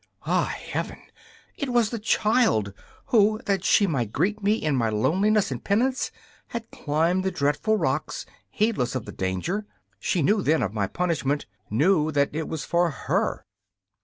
Ah, Heaven! it was the child, who, that she might greet me in my loneliness and penance, had climbed the dreadful rocks, heedless of the danger. She knew, then, of my punishment knew that it was for her.